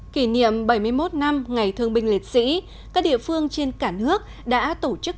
kỷ niệm bảy mươi một năm ngày thương binh liệt sĩ các địa phương trên cả nước đã tổ chức